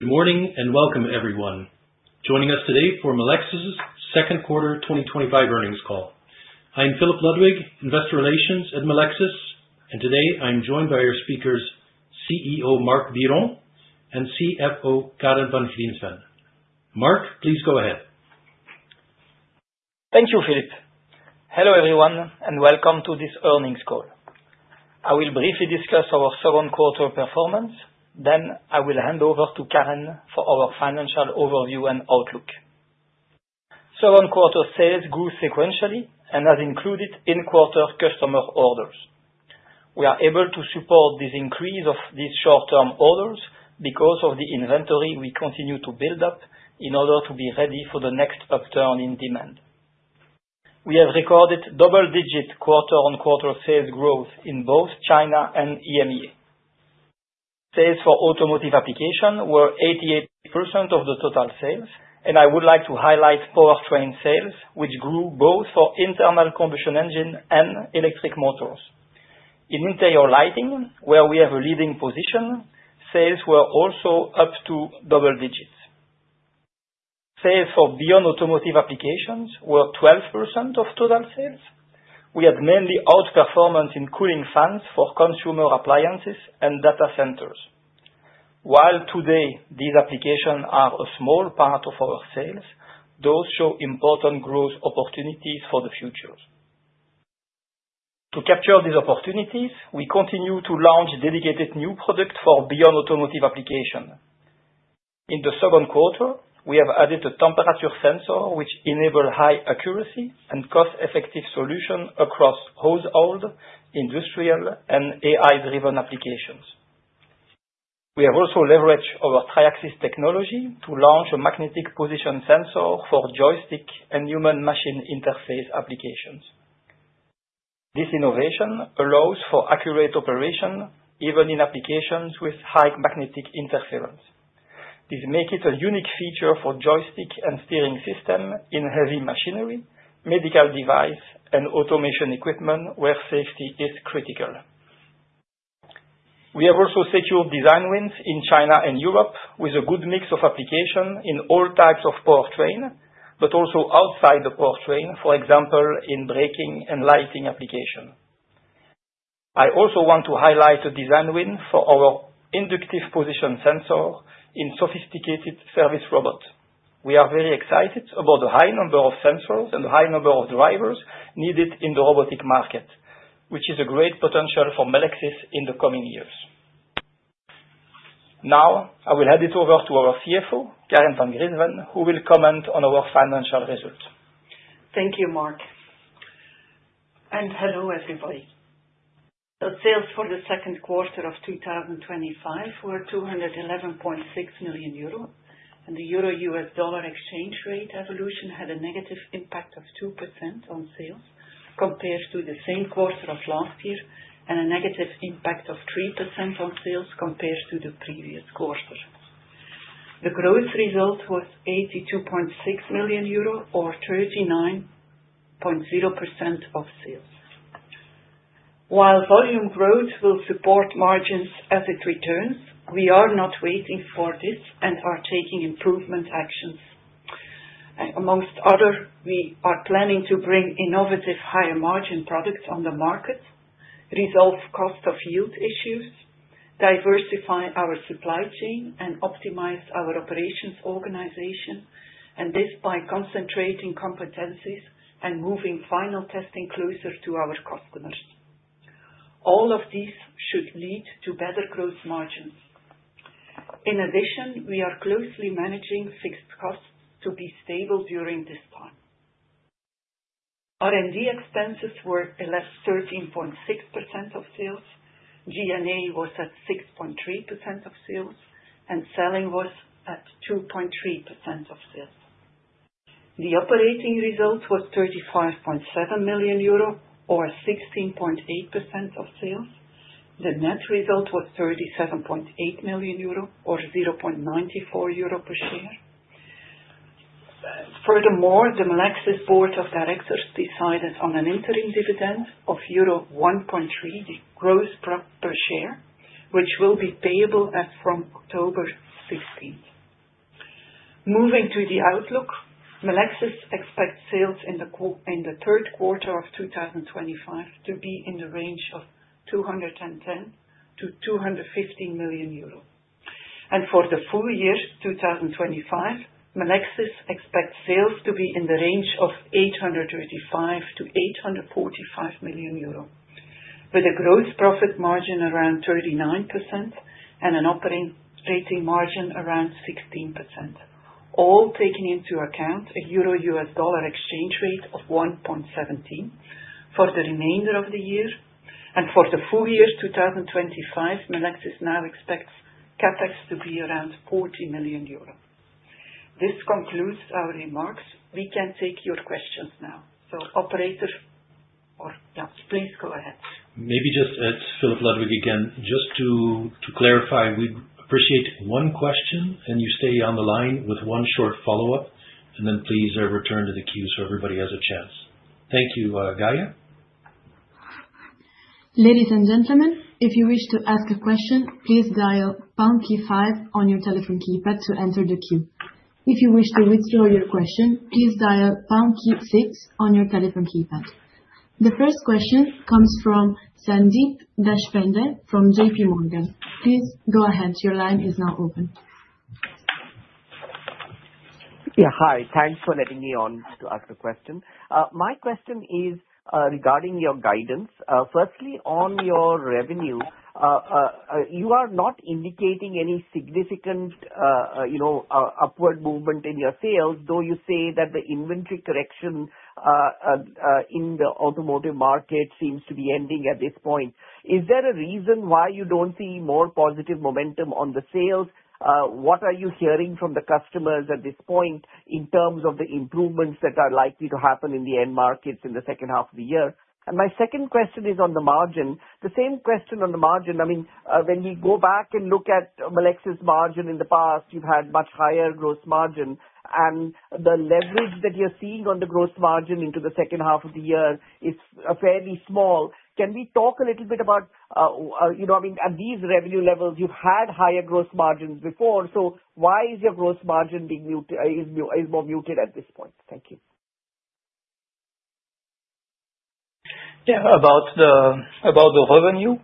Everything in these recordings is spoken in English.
Good morning, and welcome, everyone. Joining us today for Melexis' Second Quarter twenty twenty five Earnings Call. I'm Philip Ludwig, Investor Relations at Melexis. And today, I'm joined by your speakers, CEO, Marc Viron and CFO, Karl Van Vliensven. Marc, please go ahead. Thank you, Philippe. Hello, everyone, and welcome to this earnings call. I will briefly discuss our second quarter performance, then I will hand over to Karen for our financial overview and outlook. Second quarter sales grew sequentially and has included in quarter customer orders. We are able to support this increase of these short term orders because of the inventory we continue to build up in order to be ready for the next upturn in demand. We have recorded double digit quarter on quarter sales growth in both China and EMEA. Sales for automotive application were 88% of the total sales and I would like to highlight Powertrain sales, which grew both for internal combustion engine and electric motors. In interior lighting, where we have a leading position, sales were also up to double digits. Sales for beyond automotive applications were 12% of total sales. We had mainly outperformance in cooling fans for consumer appliances and data centers. While today these applications are a small part of our sales, those show important growth opportunities for the future. To capture these opportunities, we continue to launch dedicated new products for beyond automotive application. In the second quarter, we have added a temperature sensor, which enable high accuracy and cost effective solution across household, industrial and AI driven applications. We have also leveraged our Triaxis technology to launch a magnetic position sensor for joystick and human machine interface applications. This innovation allows for accurate operation even in applications with high magnetic interference. This make it a unique feature for joystick and steering system in heavy machinery, medical device and automation equipment where safety is critical. We have also secured design wins in China and Europe with a good mix of application in all types of powertrain, but also outside the powertrain, for example, in braking and lighting application. I also want to highlight a design win for our inductive position sensor in sophisticated service robots. We are very excited about the high number of sensors and the high number of drivers needed in the robotic market, which is a great potential for Melexis in the coming years. Now, I will hand it over to our CFO, Karen van Griensven, who will comment on our financial results. Thank you, Mark, and hello, everybody. Sales for the 2025 were €211,600,000 and the euro U. S. Dollar exchange rate evolution had a negative impact of 2% on sales compared to the same quarter of last year and a negative impact of 3% on sales compared to the previous quarter. The growth result was €82,600,000 or 39% of sales. While volume growth will support margins as it returns, we are not waiting for this and are taking improvement actions. Amongst other, we are planning to bring innovative higher margin products on the market, resolve cost of yield issues, diversify our supply chain and optimize our operation organization and this by concentrating competencies and moving final testing closer to our customers. All of these should lead to better gross margins. In addition, we are closely managing fixed costs to be stable during this time. R and D expenses were 13.6% of sales, G and A was at 6.3% of sales and selling was at 2.3% of sales. The operating result was €35,700,000 or 16.8% of sales. The net result was €37,800,000 or €0.94 per share. Furthermore, the Melexis Board of Directors decided on an interim dividend of €1.3 gross per share, which will be payable as from October 16. Moving to the outlook, Melexis expects sales in the 2025 to be in the range of €210,000,000 to €215,000,000 And for the full year 2025, Melexis expects sales to be in the range of €835,000,000 to €845,000,000 with a gross profit margin around 39% and an operating margin around 16%, all taking into account a euro U. S. Dollar exchange rate of 1.17 for the remainder of the year. And for the full year 2025, Melexis now expects CapEx to be around €40,000,000 This concludes our remarks. We can take your questions now. So operator or yes, please go ahead. Maybe just it's Philip Ludwig again. Just to clarify, we appreciate one question and you stay on the line with one short follow-up. And then please return to the queue so everybody has a chance. Thank you, The first question comes from Sandeep Deshpande from JPMorgan. My question is regarding your guidance. Firstly, on your revenue, you are not indicating any significant upward movement in your sales, though you say that the inventory correction in the automotive market seems to be ending at this point. Is there a reason why you don't see more positive momentum on the sales? What are you hearing from the customers at this point in terms of the improvements that are likely to happen in the end markets in the second half of the year? And my second question is on the margin. The same question on the margin. I mean, when we go back and look at Melexis margin in the past, you've had much higher gross margin. And the leverage that you're seeing on the gross margin into the second half of the year is fairly small. Can we talk a little bit about, I mean, at these revenue levels, you've had higher gross margins before. So why is your gross margin being muted is more muted at this point? Thank you. Yes. About the revenue,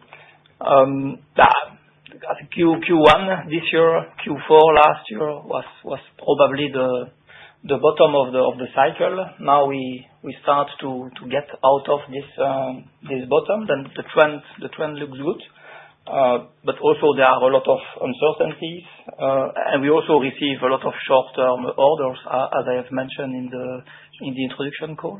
Q1 this year, Q4 last year was probably the bottom of cycle. Now we start to get out of this bottom, then the trend looks good. But also there are a lot of uncertainties. And we also receive a lot of short term orders, as I have mentioned in the introduction call.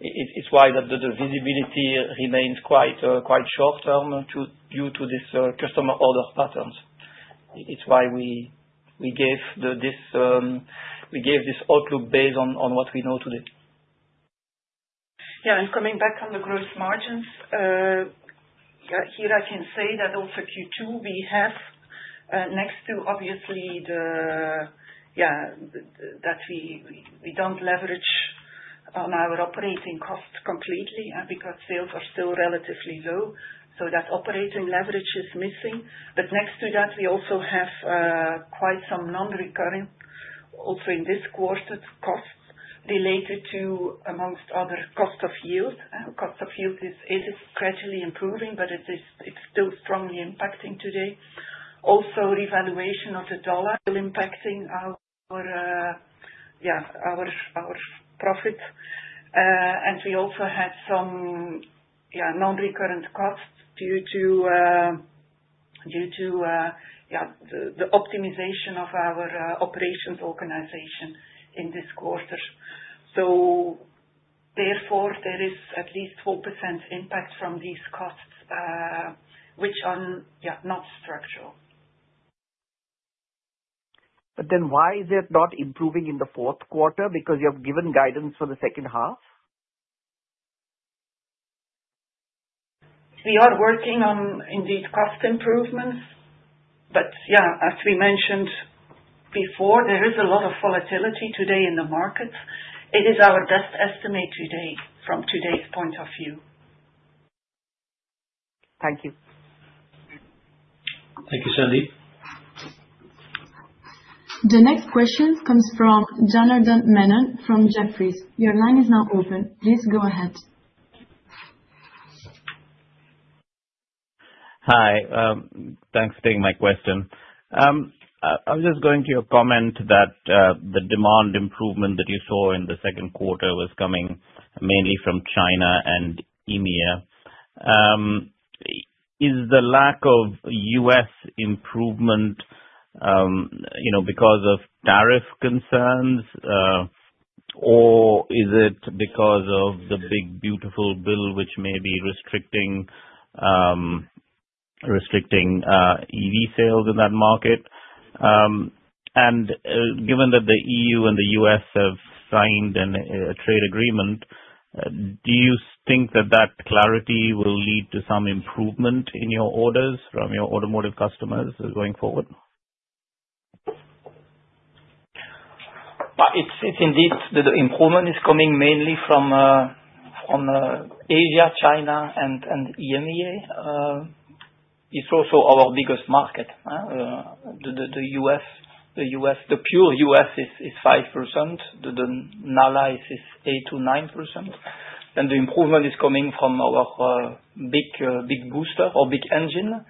It's why the visibility remains quite short term due to this customer order patterns. It's why we gave this outlook based on what we know today. Yes. And coming back on the gross margins, here I can say that also Q2, have next to obviously the yes, that we don't leverage our operating costs completely because sales are still relatively low. So that operating leverage is missing. But next to that, we also have quite some nonrecurring also in this quarter's costs related to, amongst other, cost of yield. Cost of yield is gradually improving, but it's still strongly impacting today. Also, revaluation of the dollar impacting our profit. And we also had some nonrecurring costs due to the optimization of our operations organization in this quarter. So therefore, there is at least 4% impact from these costs, which are not structural. But then why is it not improving in the fourth quarter because you have given guidance for the second half? We are working on indeed cost improvements. But yes, as we mentioned before, there is a lot of volatility today in the market. It is our best estimate today from today's point of view. Thank you. Thank you, Sandeep. The next question comes from Jonathan Mannen from Jefferies. Your line is now open. Please go ahead. Hi. Thanks for taking my question. I was just going to your comment that the demand improvement that you saw in the second quarter was coming mainly from China and EMEA. Is the lack of U. S. Improvement because of tariff concerns? Or is it because of the big beautiful bill, which may be restricting EV sales in that market? And given that the EU and The U. S. Have signed a trade agreement, do you think that that clarity will lead to some improvement in your orders from your automotive customers going forward? It's indeed the improvement is coming mainly from Asia, China and EMEA. It's also our biggest market. The U. S. The pure U. S. Is 5%, the NALA is 8% to 9%, And the improvement is coming from our big booster or big engine,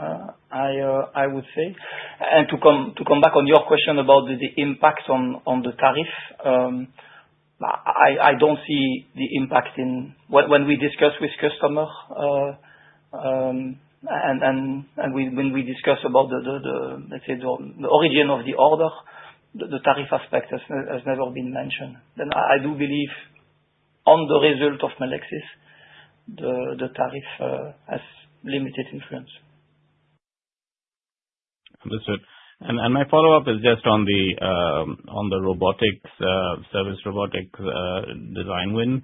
I would say. And to come back on your question about the impact on the tariff, I don't see the impact in when we discuss with customers and when we discuss about the, let's say, the origin of the order, the tariff aspect has never been mentioned. Then I do believe on the result of Melexis, the tariff has limited influence. Understood. And and my follow-up is just on the on the robotics, service robotics design win.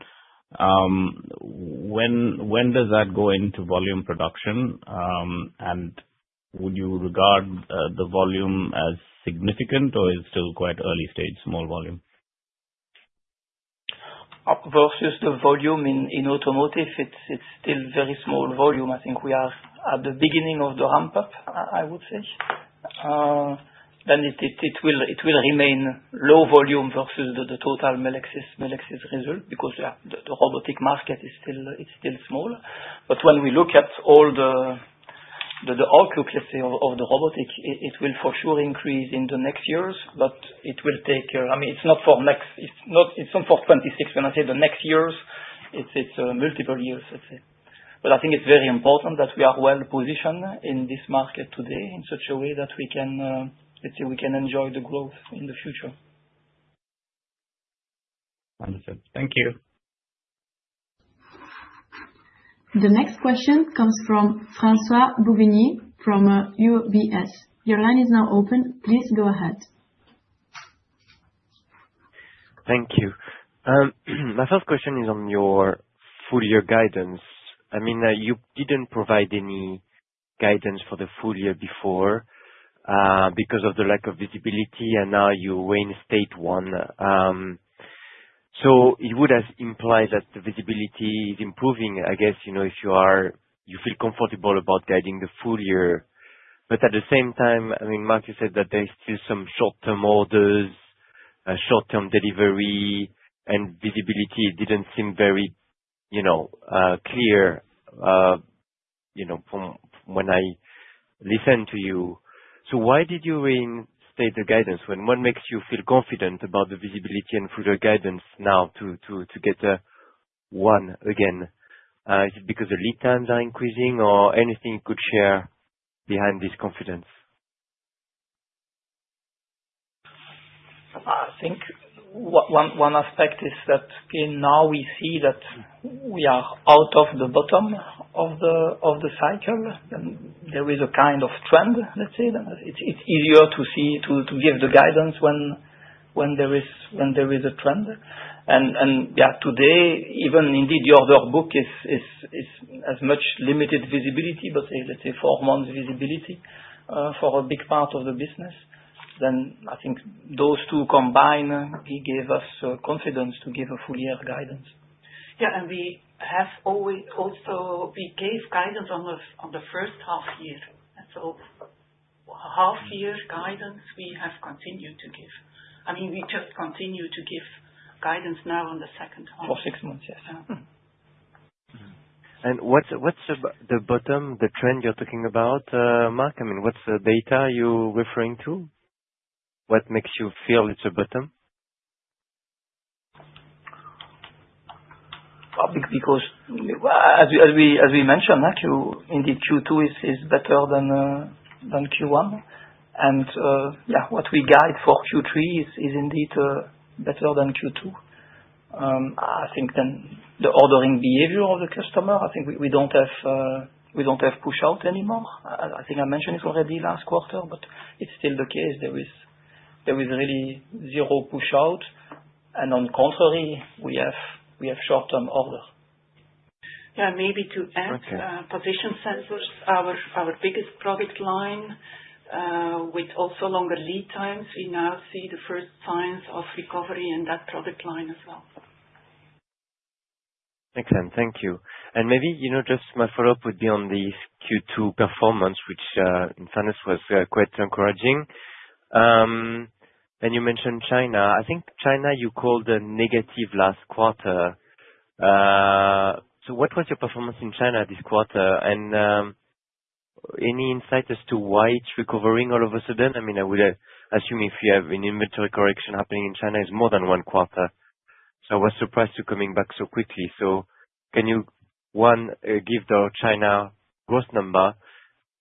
When when does that go into volume production? And would you regard the volume as significant or is still quite early stage, small volume? Versus the volume in automotive, it's still very small volume. I think we are at the beginning of the ramp up, I would say. Then it will remain low volume versus the total Melexis result because the robotic market is still small. But when we look at all outlook, let's say, of the robotic, it will for sure increase in the next years, but it will take I mean, it's not for next it's it's not for 'twenty six. When I say the next years, it's years, let's say. But I think it's very important that we are well positioned in this market today in such a way that we can enjoy the growth in the future. Understood. Thank you. The next question comes from Francois Bouvigny from UBS. Your line is now open. Please go ahead. Thank you. My first question is on your full year guidance. I mean, you didn't provide any guidance for the full year before because of the lack of visibility and now you're in state one. So it would imply that the visibility is improving, I guess, if you are you feel comfortable about guiding the full year. But at the same time, I mean, Mark, you said that there is still some short term orders, short term delivery and visibility didn't seem very clear from when I listened to you. So why did you reinstate the guidance? When what makes you feel confident about the visibility and further guidance now to get to one again? Is it because the lead times are increasing? Or anything you could share behind this confidence? I think one aspect is that now we see that we are out of the bottom of the cycle and there is a kind of trend, let's say, it's easier to see to give the guidance when there is a trend. And yes, today, even indeed the order book is as much limited visibility, but let's say, months visibility for a big part of the business, then I think those two combined gave us confidence to give a full year guidance. Yes. And we have also we gave guidance on the first half year. So half year guidance, we have continued to give. I mean, we just continue to give guidance now on the second half. For six months, yes. And what's the bottom, the trend you're talking about, Marc? I mean, what's the data you're referring to? What makes you feel it's a bottom? Probably because as we mentioned, Marc, indeed Q2 is better than Q1. And yes, what we guide for Q3 is indeed better than Q2. I think then the ordering behavior of the customer, I think we don't have push out anymore. I think I mentioned it already last quarter, but it's still the case. There is really zero push out. And on contrary, we have short term order. Yes. Maybe to add position sensors, our biggest product line with also longer lead times, we now see the first signs of recovery in that product line as well. Excellent. And maybe just my follow-up would be on this Q2 performance, which in fairness was quite encouraging. And you mentioned China. I think China, you called negative last quarter. So what was your performance in China this quarter? And any insight as to why it's recovering all of a sudden? I mean, I would assume if you have an inventory correction happening in China, it's more than one quarter. So I was surprised you're coming back so quickly. So can you, one, give the China growth number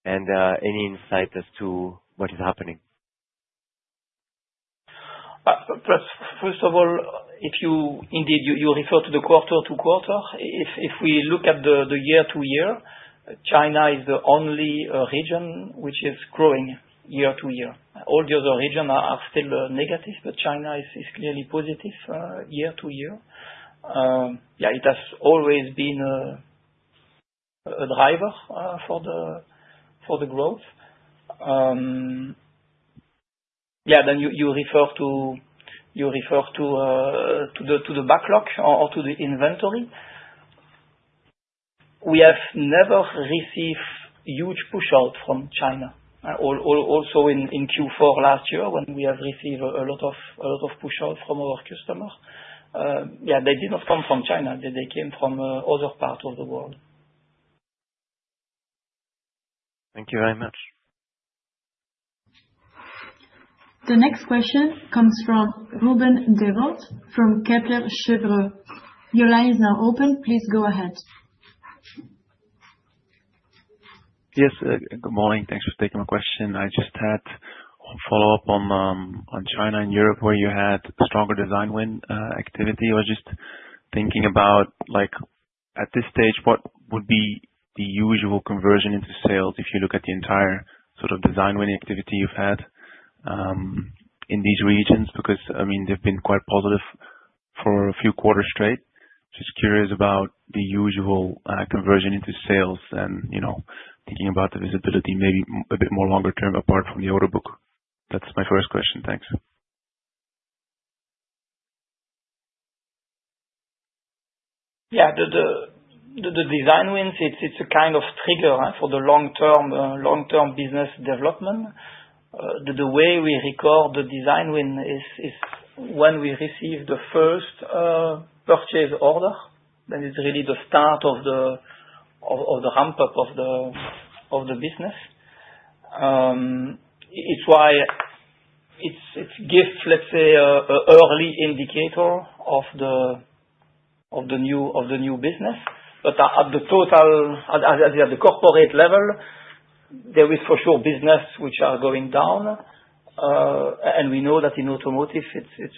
and any insight as to what is happening? First of all, if you indeed, you refer to the quarter to quarter. If we look at the year to year, China is the only region which is growing year to year. All the other regions are still negative, but China is clearly positive year to year. Yes, it has always been a driver for the growth. Yes, then you refer to the backlog or to the inventory. We have never received huge push out from China. Also in Q4 last year when we have received a lot of push out from our customers. Yes, they did not come from China. They came from other parts of the world. Thank you very much. The next question comes from Ruben Devont from Kepler Cheuvreux. Your line is now open. Please go ahead. Yes. Good morning. Thanks for taking my question. I just had a follow-up on China and Europe where you had stronger design win activity. I was just thinking about like at this stage, what would be the usual conversion into sales if you look at the entire sort of design win activity you've had in these regions? Because, I mean, they've been quite positive for a few quarters straight. Just curious about the usual conversion into sales and thinking about the visibility maybe a bit more longer term apart from the order book? That's my first question. Thanks. Yes, the design wins, it's a kind of trigger for the long term business development. The way we record the design win is when we receive the first purchase order, then it's really the start of the ramp up of the business. It's why it gives, let's say, early indicator of the new business. But at the total at the corporate level, there is, for sure, business which are going down. And we know that in automotive, it's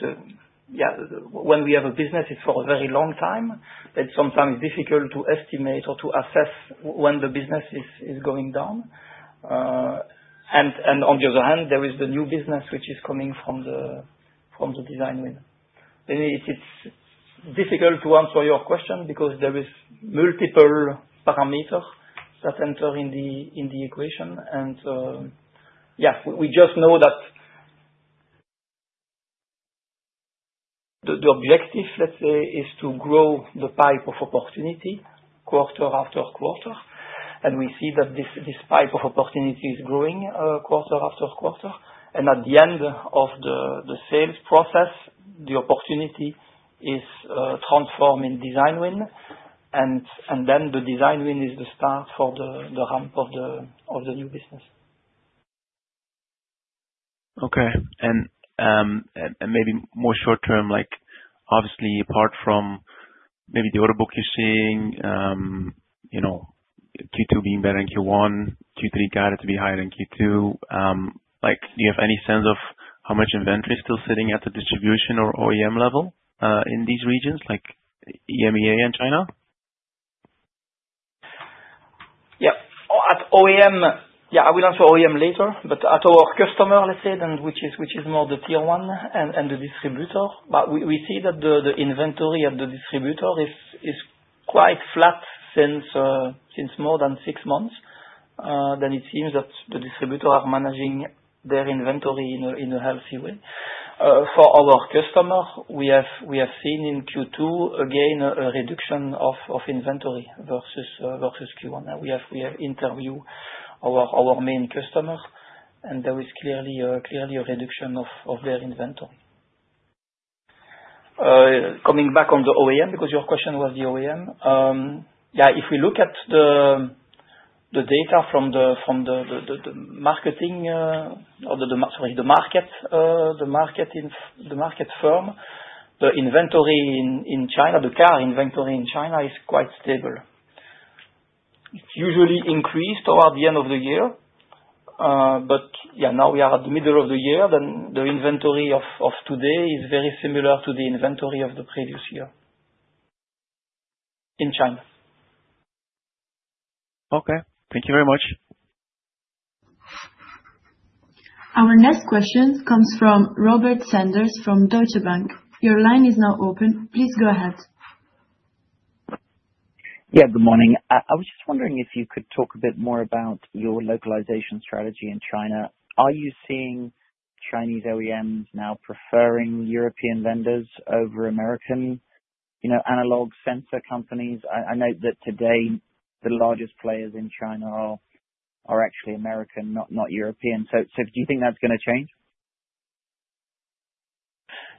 yes, when we have a business, it's for a very long time. It's sometimes difficult to estimate or to assess when the business is going down. And on the other hand, there is the new business which is coming from the design win. It's difficult to answer your question because there is multiple parameters that enter in the equation. And yes, we just know that the objective, let's say, is to grow the pipe of opportunity quarter after quarter. And we see that this pipe of opportunity is growing quarter after quarter. And at the end of the sales process, the opportunity is transforming design win and then the design win is the start for the ramp of the new business. Okay. And maybe more short term, like, obviously, apart from maybe the order book you're seeing, Q2 being better than Q1, Q3 guided to be higher than Q2. Like, do you have any sense of how much inventory is still sitting at the distribution or OEM level in these regions like EMEA and China? Yes. OEM, yes, I will answer OEM later, but at our customer, let's say, which is more the Tier one and the distributor, but we see that the inventory at the distributor is quite flat since more than six months. Then it seems that the distributor are managing their inventory in a healthy way. For our customers, we have seen in Q2, again, a reduction of inventory versus Q1. We have interviewed our main customers, and there is clearly a reduction of their inventory. Coming back on the OEM, because your question was the OEM. Yes, if we look at the data from the marketing sorry, the market firm, the inventory in China, the car inventory in China is quite stable. It usually increased throughout the end of the year. But yes, now we are at the middle of the year, then the inventory of today is very similar to the inventory of the previous year in China. Okay. Thank you very much. Our next question comes from Robert Sanders from Deutsche Bank. Your line is now open. Please go ahead. Yes, good morning. I was just wondering if you could talk a bit more about your localization strategy in China. Are you seeing Chinese OEMs now preferring European vendors over American analog sensor companies? Know that today, the largest players in China are actually American, not European. So do you think that's going to change?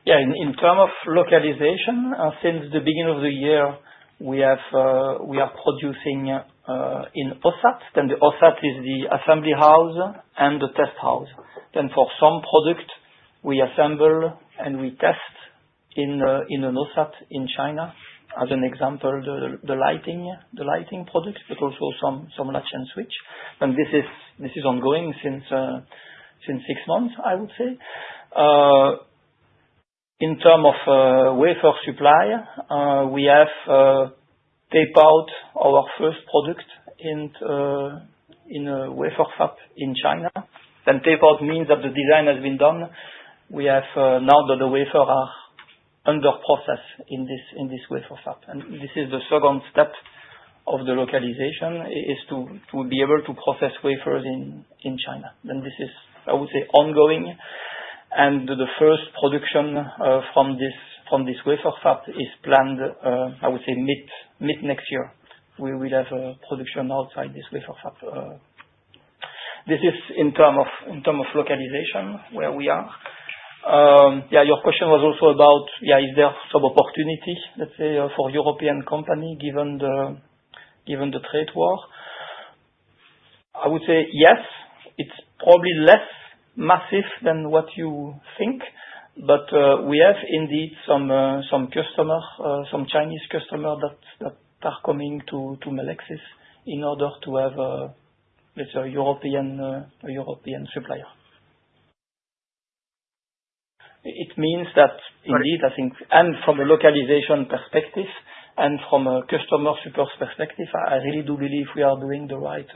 Yes. In terms of localization, since the beginning of the year, we are producing in OSAT, and the OSAT is the assembly house and the test house. Then for some product, we assemble and we test in an OSAT in China, as an example, the lighting products, but also some latch and switch. And this is ongoing since six months, I would say. In terms of wafer supply, we have tapered our first product wafer fab in China. And tapered means that the design has been done. We have now that the wafer are under process in this wafer fab. And this is the second step of the localization is to be able to process wafers in China. Then this is, I would say, ongoing. And the first production from this wafer fab is planned, I would say, mid next year, We will have production outside this wafer fab. This is in of localization where we are. Yes, your question was also about, yes, is there some opportunity, let's say, for European company given the trade war? I would say, yes, it's probably less massive than what you think. But we have indeed some customers, some Chinese customers that are coming to Melexis in order to have, let's say, European supplier. Means that indeed, I think from a localization perspective and from a customer support perspective, I really do believe we are doing the right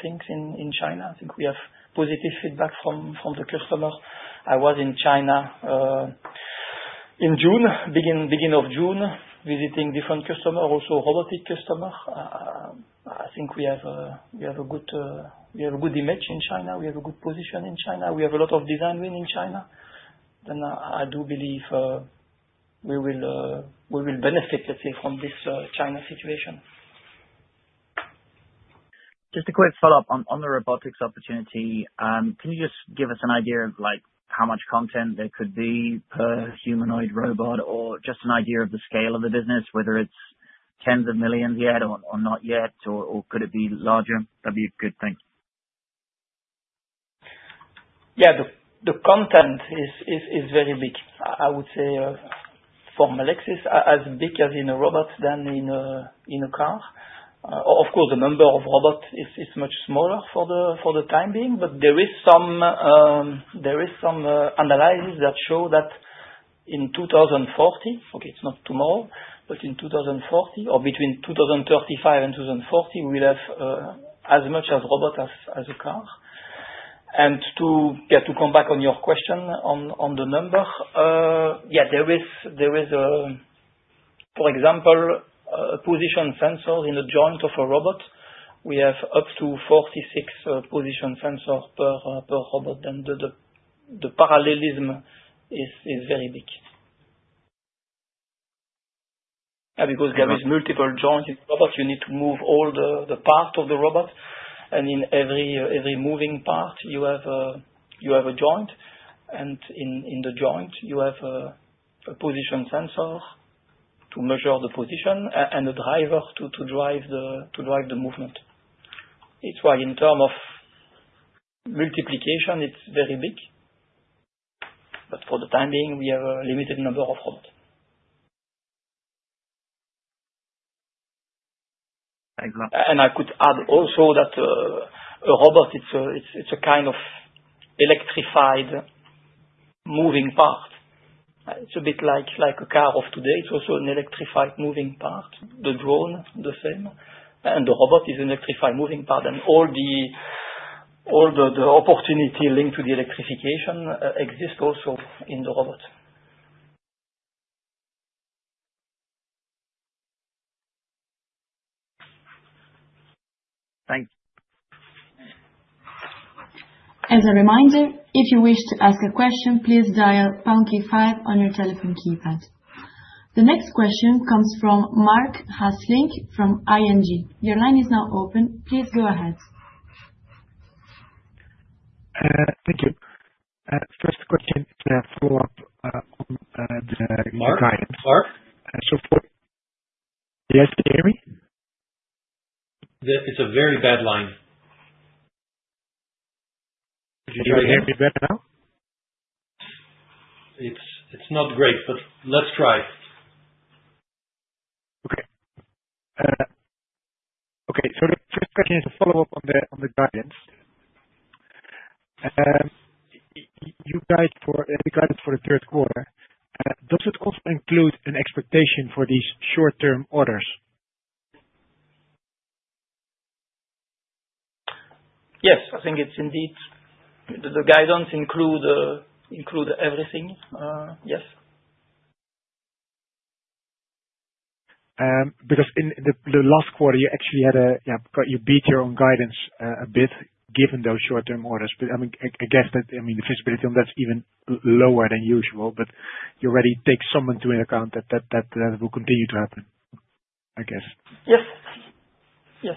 things in China. I think we have positive feedback from the customers. I was in China in June, June, visiting different customer, also robotic customer. I think we have a good image in China. We have a good position in China. We have a lot of design win in China. And I do believe we will benefit, let's say, from this China situation. Just a quick follow-up on the robotics opportunity. Can you just give us an idea of like how much content there could be per humanoid robot? Or just an idea of the scale of the business, whether it's tens of millions yet or not yet? Could it be larger? That would be a good thing. Yes. The content is very big, I would say, from Alexis, as big as in a robot than in a car. Of course, the number of robots is much smaller for the time being, but there is some analysis that show that in 02/1940, okay, it's not tomorrow, but in 2040 or between 2035 and 02/1940, we will have as much of robot as a car. And to come back on your question on the number, yes, there is a for example, position sensor in the joint of a robot. We have up to 46 position sensors per robot and the parallelism is very big. Because there is multiple joints in the robot, you need to move all the part of the robot. And in every moving part, have a joint. And in the joint, you have a position sensor to measure the position and the driver to drive the movement. It's why in term of multiplication, it's very big. But for the time being, we have a limited number of robots. And I could add also that the robot, it's a kind of electrified moving part. It's a bit like a car of today. It's also an electrified moving part. The drone, the same. And the robot is an electrified moving part. And all the opportunity linked to the electrification exist also in the robot. Thanks. The next question comes from Your line is now open. Please go ahead. Thank you. First question is a follow-up Mark? On Yes, can you hear me? It's a very bad line. Can you hear me better now? It's not great, but let's try. Okay. So the first question is a follow-up on the guidance. You guide for the guidance for the third quarter. Does it also include an expectation for these short term orders? Yes. I think it's indeed the guidance include everything. Yes. Because in last quarter, you actually had a you beat your own guidance a bit given those short term orders. I mean, I guess that I mean, the visibility on that's even lower than usual, but you already take someone to an account that, that will continue to happen, I guess? Yes. Yes.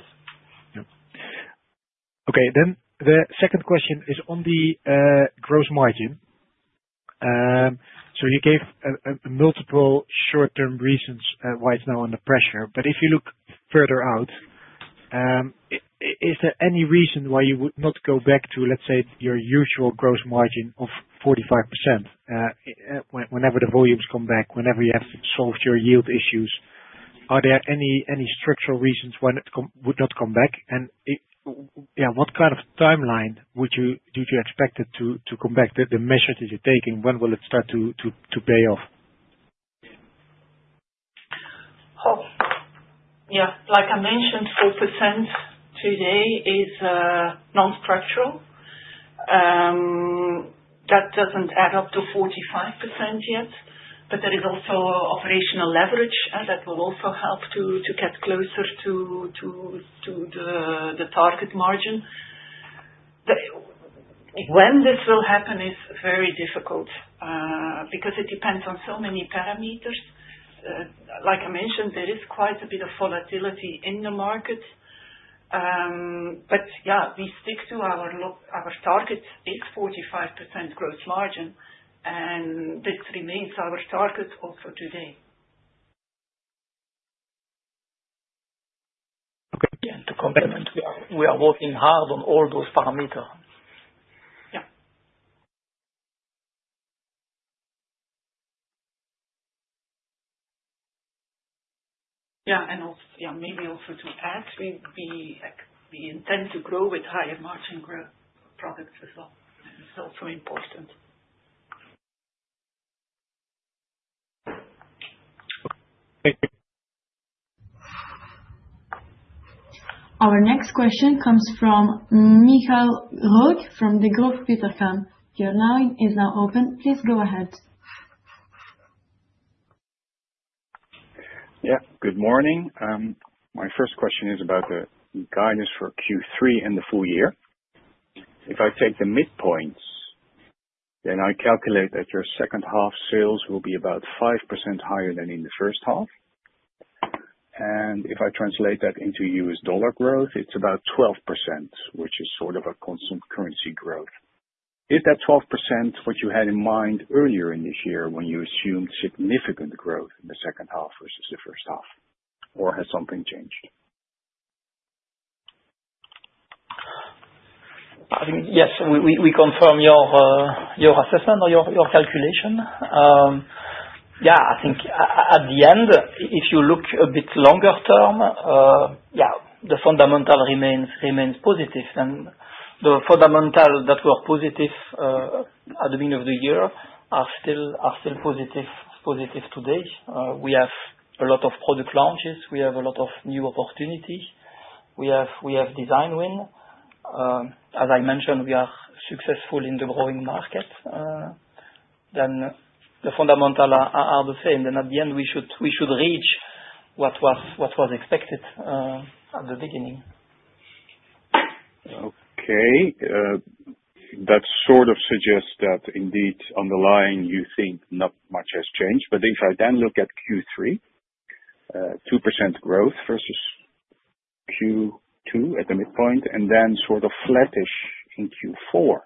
Okay. Then the second question is on the gross margin. So you gave multiple short term reasons why it's now under pressure. But if you look further out, is there any reason why you would not go back to, let's say, your usual gross margin of 45% whenever the volumes come back, whenever you have solved your yield issues. Are there any structural reasons when it would not come back? And what kind of time line would you do you expect it to come back to the measures that you're taking? When will it start to pay off? Yes, like I mentioned, 4% today is nonstructural. That doesn't add up to 45% yet, but there is also operational leverage that will also help to get closer to the target margin. When this will happen is very difficult because it depends on so many parameters. Like I mentioned, there is quite a bit of volatility in the market. But yes, we stick to our target is 45% gross margin, and this remains our target also today. Okay. And to complement, we are working hard on all those parameter. Yes. And maybe also to add, we intend to grow with higher margin products as well. It's also important. Our next question comes from Michal Rhoeg from Degroof Petercam. Your line is now open. Please go ahead. Yes. Good morning. My first question is about the guidance for Q3 and the full year. If I take the midpoints, then I calculate that your second half sales will be about 5% higher than in the first half. And if I translate that into U. S. Dollar growth, it's about 12%, which is sort of a constant currency growth. Is that 12% what you had in mind earlier in this year when you assumed significant growth in the second half versus the first half? Or has something changed? Yes, we confirm your assessment or your calculation. Yes, I think at the end, you look a bit longer term, yes, the fundamental remains positive. And the fundamental that were positive at the beginning of the year are positive to date. We have a lot of product launches. We have a lot of new opportunities. We have design win. As I mentioned, we are successful in the growing market. Then the fundamental are the same. Then at the end, we should reach what was expected at the beginning. Okay. That sort of suggests that indeed underlying you think not much has changed. But if I then look at Q3, 2% growth versus Q2 at the midpoint and then sort of flattish in Q4.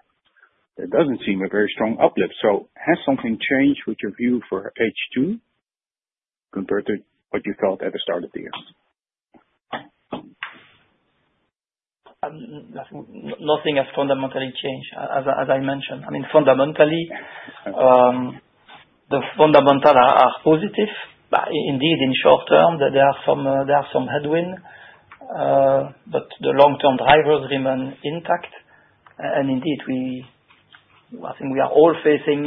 It doesn't seem a very strong uplift. So has something changed with your view for H2 compared to what you felt at the start of the year? Nothing has fundamentally changed as I mentioned. I mean fundamentally, the fundamental are positive, indeed in short term that there some headwind, but the long term drivers remain intact. And indeed, are all facing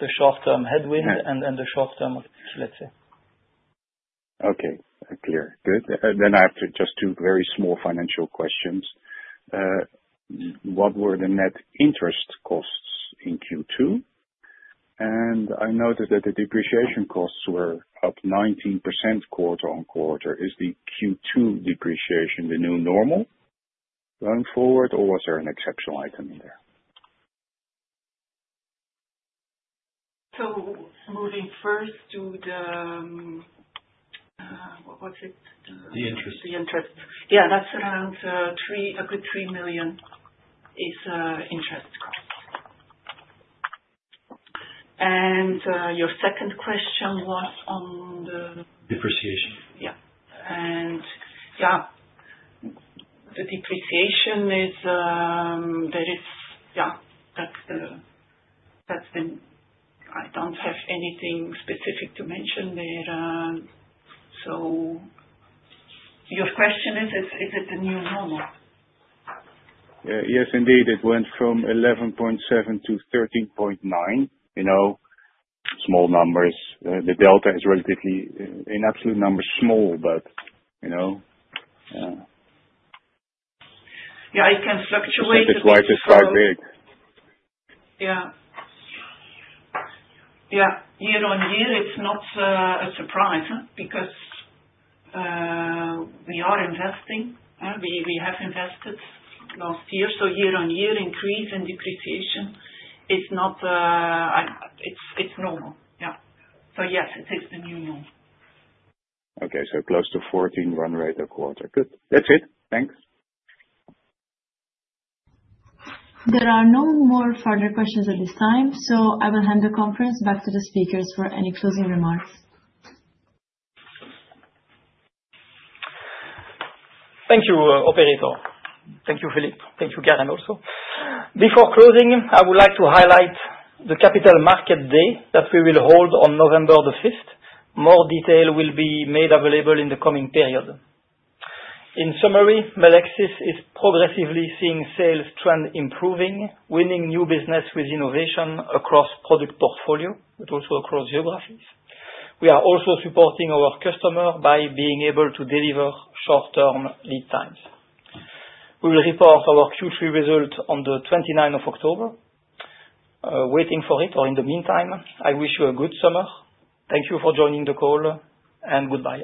the short term headwind and the short term, let's say. Okay. Clear. Good. And then I have just two very small financial questions. What were the net interest costs in Q2? And I noticed that the depreciation costs were up 19% quarter on quarter. Is the Q2 depreciation the new normal going forward? Or was there an exceptional item in there? So moving first to the what's it? The interest. The interest. Yes, that's around 3 a good €3,000,000 is interest cost. And your second question was on the Depreciation. Yes. And yes, the depreciation is there is yes, that's been I don't have anything specific to mention there. Your question is, is it the new normal? Yes, indeed. It went from 11.7% to 13.9%, small numbers. The delta is relatively, in absolute numbers, small, but Yes, it can fluctuate. Yes. Year on year, it's not a surprise because we are investing. We have invested last year. So year on year increase in depreciation is not it's normal, yes. So yes, it takes the new norm. Okay. So close to 14 run rate a quarter. Good. That's it. Thanks. There are no more further questions at this time. So I will hand the conference back to the speakers for any closing remarks. Thank you, operator. Thank you, Philippe. Thank you, Karen also. Before closing, I would like to highlight the Capital Market Day that we will hold on November 5. More detail will be made available in the coming period. In summary, Melexis is progressively seeing sales trend improving, winning new business with innovation across product portfolio, but also across geographies. We are also supporting our customer by being able to deliver short term lead times. We will report our Q3 results on the October 29. Waiting for it or in the meantime, I wish you a good summer. Thank you for joining the call and goodbye.